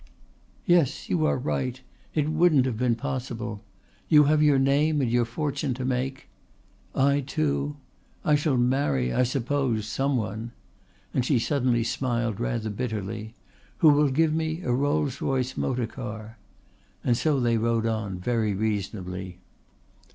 "Yes, you are right. It wouldn't have been possible. You have your name and your fortune to make. I too I shall marry, I suppose, some one" and she suddenly smiled rather bitterly "who will give me a Rolls Royce motor car." And so they rode on very reasonably.